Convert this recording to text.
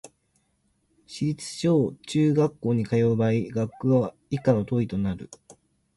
市立小・中学校に通う場合、学区は以下の通りとなる